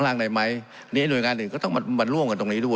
เพราะมันก็มีเท่านี้นะเพราะมันก็มีเท่านี้นะ